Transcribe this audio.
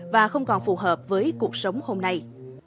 và không còn phù hợp với cuộc sống hôm nay